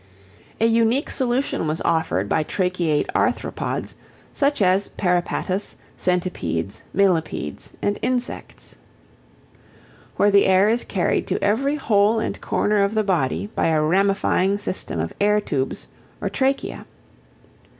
A unique solution was offered by Tracheate Arthropods, such as Peripatus, Centipedes, Millipedes, and Insects, where the air is carried to every hole and corner of the body by a ramifying system of air tubes or tracheæ.